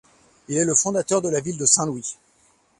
Il est le fondateur de la ville de Saint-Louis.